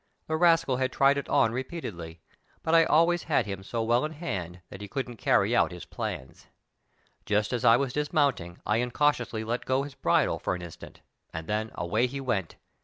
The rascal had tried it on repeatedly, but I always had him so well in hand that he couldn't carry out his plans. Just as I was dis mounting I incautiously let go his bridle for an instant, and then away he went.